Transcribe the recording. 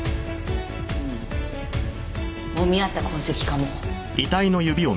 うんもみ合った痕跡かも。